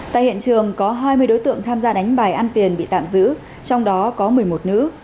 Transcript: tại hiện trường có hai mươi đối tượng tham gia đánh bài ăn tiền bị tạm giữ trong đó có một mươi một nữ